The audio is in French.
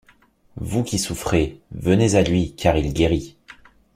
Vous qui souffrez, venez à lui, car il guérit.